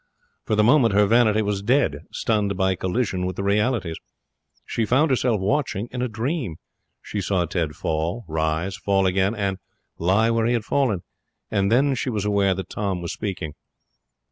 For the moment her vanity was dead, stunned by collision with the realities. She found herself watching in a dream. She saw Ted fall, rise, fall again, and lie where he had fallen; and then she was aware that Tom was speaking.